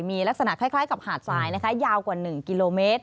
มีลักษณะคล้ายกับหาดทรายยาวกว่า๑กม